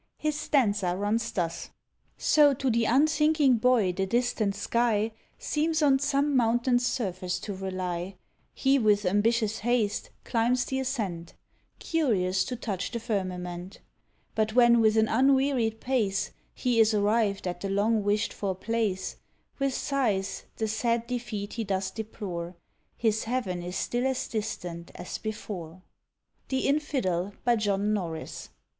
His stanza runs thus: So to the unthinking boy the distant sky Seems on some mountain's surface to relie; He with ambitious haste climbs the ascent, Curious to touch the firmament; But when with an unwearied pace, He is arrived at the long wish'd for place, With sighs the sad defeat he does deplore, His heaven is still as distant as before! The Infidel, by JOHN NORRIS.